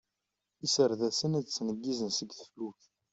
Iserdasen a d-nettneggizen seg teflukt.